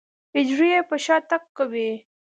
حجرې يې په شاتګ کوي.